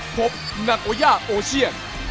พบนักโยยากโอเชียน